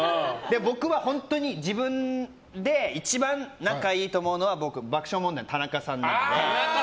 僕は本当に自分で一番仲がいいと思うのは爆笑問題の田中さんなんで。